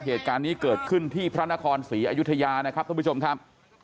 เหตุการณ์นี้เกิดขึ้นที่พระนครศรีอยุธยานะครับท่านผู้ชมครับ